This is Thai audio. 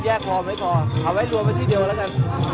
แล้วเก็บไว้บ้านไหนมั้ยคะมีทีปีในบ้าน